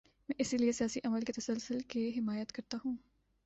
میں اسی لیے سیاسی عمل کے تسلسل کی حمایت کرتا ہوں۔